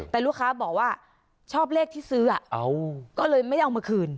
แต่ลูกค้าบอกว่าชอบเลขที่ซื้อก็เลยไม่ได้เอามาคืน